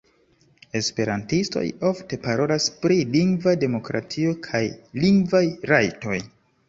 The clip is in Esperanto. Esperantistoj ofte parolas pri lingva demokratio kaj lingvaj rajtoj.